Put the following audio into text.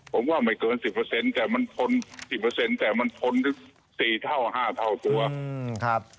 ผมว่าไม่เกิน๑๐แต่มันทน๑๐แต่มันทนถึง๔เท่า๕เท่าตัวครับ